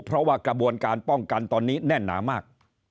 เพราะว่ากระบวนการป้องกันตอนนี้แน่นหนามาก